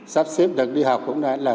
sắp xếp đợt đi học cũng là